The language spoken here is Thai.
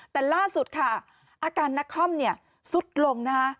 แต่ล่าสุดค่ะอาการนาคอมสุดลงนะ